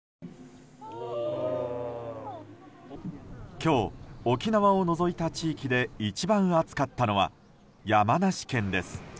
今日、沖縄を除いた地域で一番暑かったのは山梨県です。